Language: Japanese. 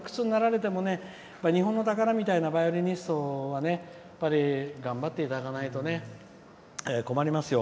それは日本の宝みたいなバイオリニストにはね頑張ってもらわないと困りますよ